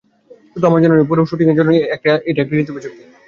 শুধু আমার জন্যই নয়, পুরো শ্যুটিংয়ের জন্যই এটা একটা ইতিবাচক দিক।